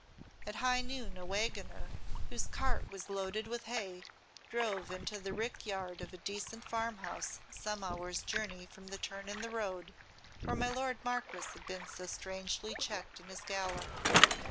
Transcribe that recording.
At high noon a wagoner whose cart was loaded with hay drove into the rick yard of a decent farm house some hours' journey from the turn in the road where my lord Marquess had been so strangely checked in his gallop.